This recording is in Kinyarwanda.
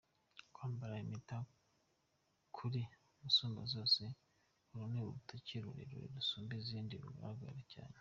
Kwambara impeta kuri musumbazose: Uru ni urutoki rurerure gusumba Izindi ruragaye cyane.